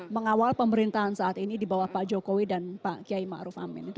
mengawal pemerintahan saat ini di bawah pak jokowi dan pak kiai ma'ruf amin